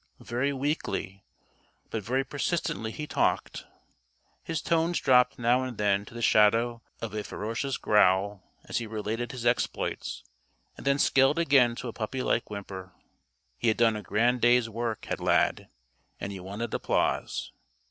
Very weakly, but very persistently he "talked." His tones dropped now and then to the shadow of a ferocious growl as he related his exploits and then scaled again to a puppy like whimper. He had done a grand day's work, had Lad, and he wanted applause.